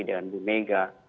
dengan bu mega